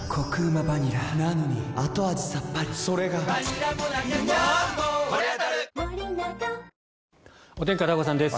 ニトリお天気、片岡さんです。